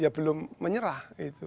ya belum menyerah